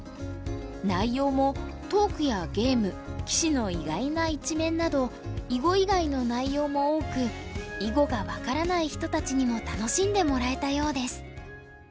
内容もトークやゲーム棋士の意外な一面など囲碁以外の内容も多く囲碁が分からない人たちにも楽しんでもらえたようです。